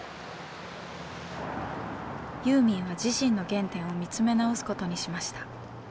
ユーミンは自身の原点を見つめ直すことにしました。